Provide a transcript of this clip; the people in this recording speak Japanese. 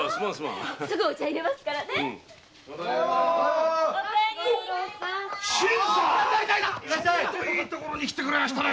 いいところに来てくれましたね。